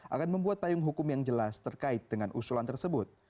akan membuat payung hukum yang jelas terkait dengan usulan tersebut